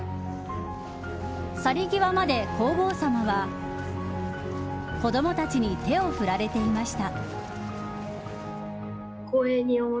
去り際まで、皇后さまは子どもたちに手を振られていました。